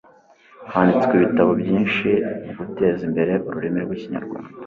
handitswe ibitabo byinshi muguteza imbere ururimi rw'ikinyarwanda